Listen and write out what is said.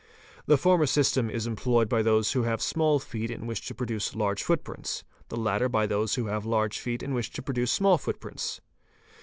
The former system is employed by those who have small feet and wish to produce large footprints, the latter by those who have large feet and wish to produce small footprints.